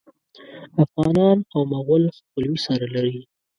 افغانان او مغول خپلوي سره لري.